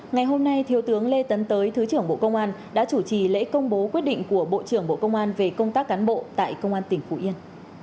ngày hôm nay thiếu tướng lê tấn tới thứ trưởng bộ công an đã chủ trì lễ công bố quyết định của bộ trưởng bộ công an về công tác cán bộ tại công an tỉnh phú yên